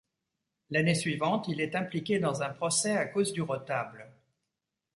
L'année suivante, il est impliqué dans un procès à cause du retable.